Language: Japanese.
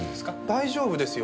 大丈夫ですよ。